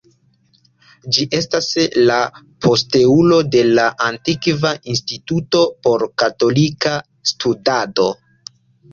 Ĝi estas la posteulo de la antikva Instituto por Katolika Studado.